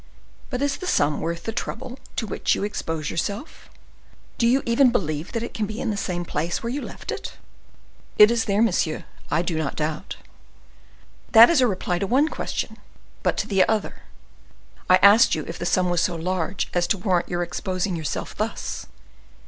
But is the sum worth the trouble to which you expose yourself? Do you even believe that it can be in the same place where you left it?" "It is there monsieur, I do not doubt." "That is a reply to one question; but to the other. I asked you if the sum was so large as to warrant your exposing yourself thus."